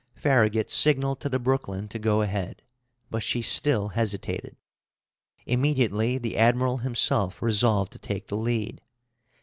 Farragut signaled to the Brooklyn to go ahead, but she still hesitated. Immediately, the admiral himself resolved to take the lead.